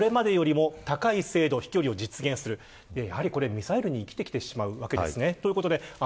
ミサイルに生きてきてしまうわけです。